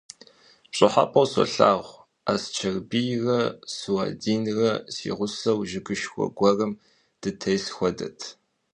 ПщӀыхьэпӀэу солъагъу: Асчэрбийрэ СуӀэдинрэ си гъусэу жыгышхуэ гуэрым дытес хуэдэт.